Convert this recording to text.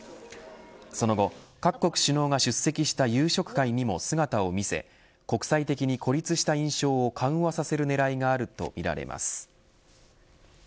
その後、各国首脳が出席した夕食会にも姿を見せ国際的に孤立した印象を緩和させる狙いがあるとみられます。